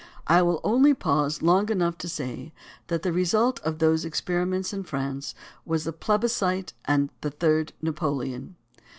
I will only pause long enough to say that the result of those experiments in France was the plebiscite and the Third Napoleon.